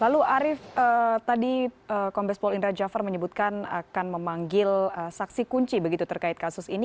lalu arief tadi kompes pol indra jafar menyebutkan akan memanggil saksi kunci begitu terkait kasus ini